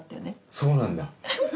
そうなんだフフ。